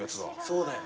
そうだよ。